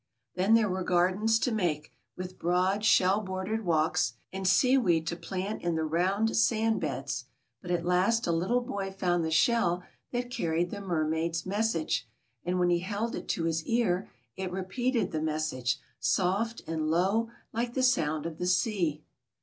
Then there were gardens to make, with broad, shell bordered walks; and sea weed to plant in the round sand beds; but at last a little boy found the shell that carried the mer maid's message, and when he held it to his ear, it repeated the message, soft and low like the sound of the sea. 8 THE MERMAID'S MESSAGE.